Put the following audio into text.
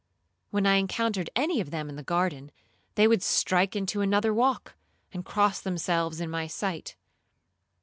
When I encountered any of them in the garden, they would strike into another walk, and cross themselves in my sight.